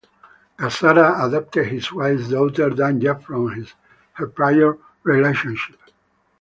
Gazzara adopted his wife's daughter Danja from her prior relationship.